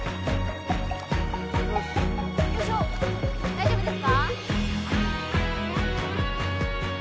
大丈夫ですか？